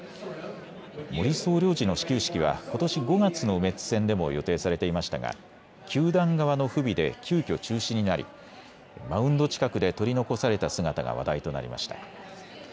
森総領事の始球式はことし５月のメッツ戦でも予定されていましたが球団側の不備で急きょ中止になりマウンド近くで取り残された姿が話題となりました。